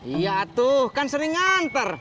iya tuh kan sering nganter